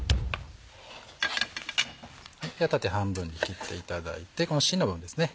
縦半分に切っていただいてこの芯の部分ですね